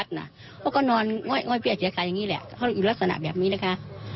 เขาก็นอนง่อยเสียใจอย่างนี้แหละเขาอยู่ลักษณะแบบนี้นะคะ